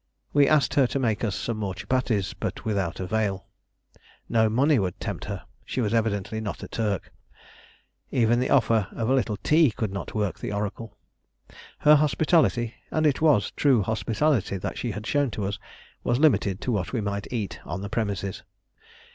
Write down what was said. We asked her to make us some more chupatties, but without avail. No money would tempt her she was evidently not a Turk, even the offer of a little tea could not work the oracle. Her hospitality and it was true hospitality that she had shown to us was limited to what we might eat on the premises.